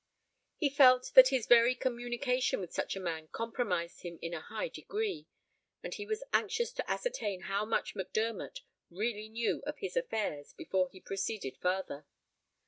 He felt that his very communication with such a man compromised him in a high degree; and he was anxious to ascertain how much Mac Dermot really knew of his affairs before he proceeded farther.